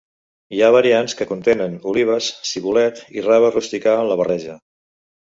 Hi ha variants que contenen olives, cibulet i rave rusticà en la barreja.